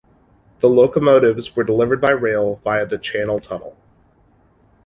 The locomotives were delivered by rail via the Channel Tunnel.